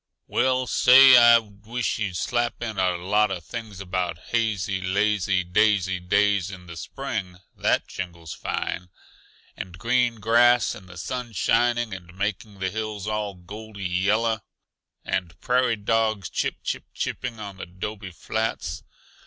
"Well, say, I wish you'd slap in a lot uh things about hazy, lazy, daisy days in the spring that jingles fine! and green grass and the sun shining and making the hills all goldy yellow, and prairie dogs chip chip chipping on the 'dobe flats.